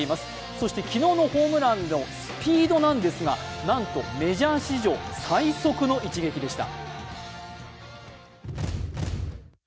そして昨日のホームランのスピードなんですが、なんとメジャー史上最速の一撃でした。